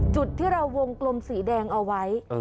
จุดที่เราวงกลมสีแดงเอาไว้